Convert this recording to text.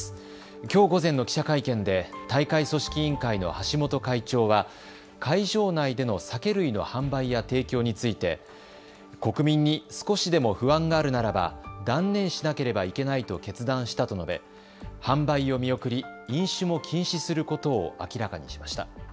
きょう午前の記者会見で大会組織委員会の橋本会長は会場内での酒類の販売や提供について国民に少しでも不安があるならば断念しなければいけないと決断したと述べ販売を見送り飲酒も禁止することを明らかにしました。